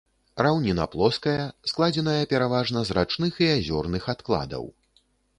Раўніна плоская, складзеная пераважна з рачных і азёрных адкладаў.